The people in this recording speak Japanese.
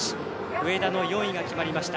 上田の４位が決まりました。